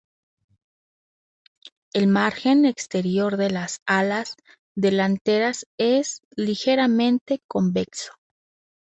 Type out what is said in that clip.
El margen exterior de las alas delanteras es ligeramente convexo.